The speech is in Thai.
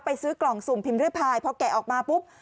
ซื้อกล่องสุ่มพิมพ์ริพายพอแกะออกมาปุ๊บ